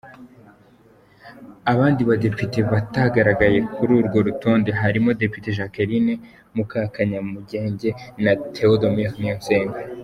Abandi Badepite batagaragaye kuri urwo rutonde harimo Depite Jacqueline Mukakanyamugenge na Theodomir Niyonsenga.